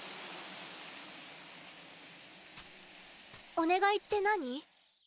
お願いって何？